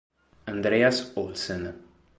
Andreas Olsen